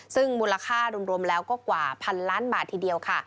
ซึ่งมูลค่ารวมแล้วก็กว่าพันล้านบาททีเดียวค่ะ